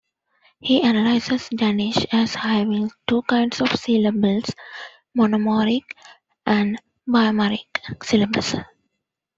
He analyzes Danish as having two kinds of syllables, "monomoraic" and "bimoraic" syllables.